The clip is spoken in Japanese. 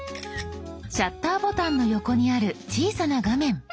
シャッターボタンの横にある小さな画面。